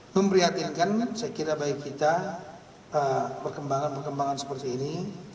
memprihatinkan saya kira baik kita perkembangan perkembangan seperti ini